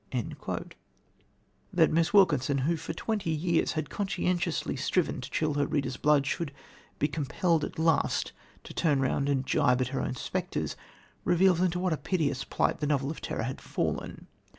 That Miss Wilkinson, who, for twenty years, had conscientiously striven to chill her readers' blood, should be compelled at last to turn round and gibe at her own spectres, reveals into what a piteous plight the novel of terror had fallen.